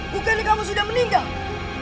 bukannya kamu sudah meninggal